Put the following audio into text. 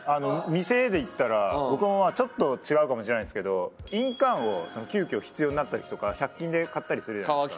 店で言ったらまあちょっと違うかもしれないんですけど印鑑を急遽必要になった時とか１００均で買ったりするじゃないですか。